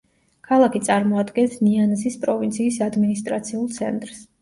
ქალაქი წარმოადგენს ნიანზის პროვინციის ადმინისტრაციულ ცენტრს.